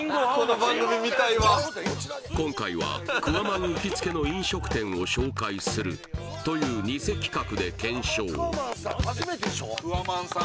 今回は「クワマン行きつけの飲食店を紹介する」というニセ企画で検証生クワマンさん